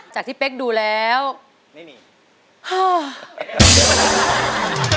จากที่เป๊กดูแล้วพ่อ